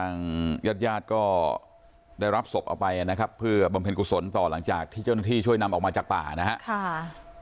ญาติญาติก็ได้รับศพเอาไปนะครับเพื่อบำเพ็ญกุศลต่อหลังจากที่เจ้าหน้าที่ช่วยนำออกมาจากป่านะครับ